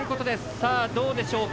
さあどうでしょうか。